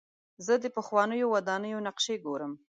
زه د پخوانیو ودانیو نقشې ګورم.